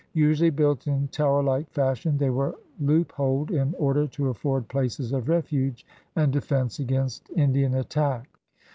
Usually built in tower like fashion, they were loopholed in order to afford places of refuge and defense against Indian attack.